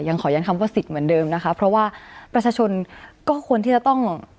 ขอยันคำว่าสิทธิ์เหมือนเดิมนะคะเพราะว่าประชาชนก็ควรที่จะต้อง